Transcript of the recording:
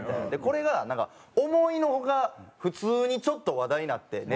これがなんか思いの外普通にちょっと話題になって。